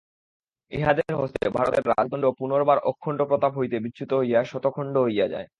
ইঁহাদের হস্তে ভারতের রাজদণ্ড পুনর্বার অখণ্ড প্রতাপ হইতে বিচ্যুত হইয়া শতখণ্ড হইয়া যায়।